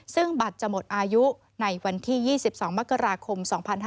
ซึ่งบัตรจะหมดอายุในวันที่๒๒มกราคม๒๕๕๙